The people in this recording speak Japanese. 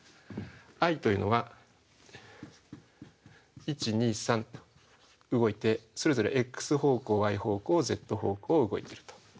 ｉというのは１２３と動いてそれぞれｘ方向ｙ方向ｚ方向動いてると。